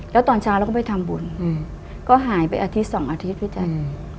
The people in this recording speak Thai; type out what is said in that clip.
แล้วตอนเช้าเราก็ไปทำบุญก็หายไปอาทิตย์สองอาทิตย์พี่แจ๊ค